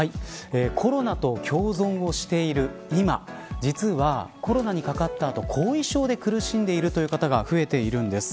コロナと共存をしている今実はコロナにかかった後後遺症で苦しんでいる方が増えているんです。